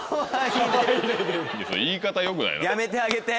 言い方よくない。